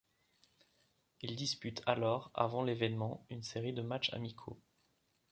Il dispute alors avant l'évènement une série de matchs amicaux.